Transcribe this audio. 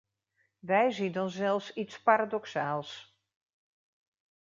Wij zien dan zelfs iets paradoxaals.